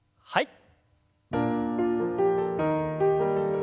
はい。